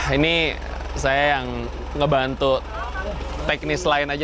ini saya yang ngebantu teknis lain aja